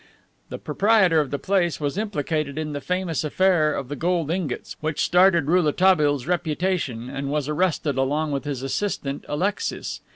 The proprietor of the place was implicated in the famous affair of the gold ingots, which started Rouletabille's reputation, and was arrested along with his assistant, Alexis.